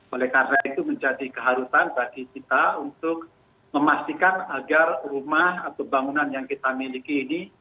oleh karena itu menjadi keharusan bagi kita untuk memastikan agar rumah atau bangunan yang kita miliki ini